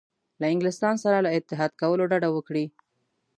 له انګلستان سره له اتحاد کولو ډډه وکړي.